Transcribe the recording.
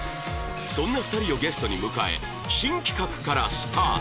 そんな２人をゲストに迎え新企画からスタート